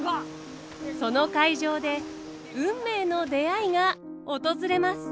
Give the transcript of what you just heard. その会場で運命の出会いが訪れます。